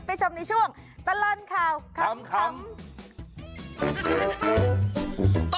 ชมในช่วงตลอดข่าวขำ